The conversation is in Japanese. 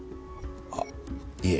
あっいえ。